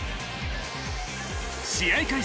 試合開始